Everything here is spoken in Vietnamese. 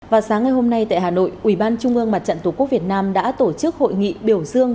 và sáng ngày hôm nay tại hà nội ủy ban trung ương mặt trận tổ quốc việt nam đã tổ chức hội nghị biểu dương